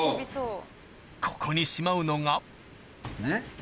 ここにしまうのがねっ。